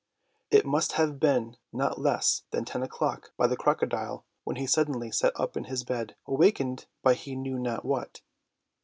It must have been not less than ten o'clock by the crocodile, when he suddenly sat up in his bed, wakened by he knew not what.